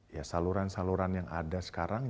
ya saluran saluran yang ada sekarang